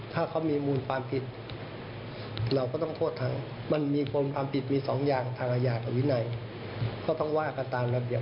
ตรงนี้สั่งย้าย